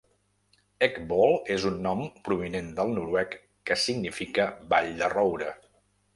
Eckvoll és un nom provinent del noruec que significa "vall de roure".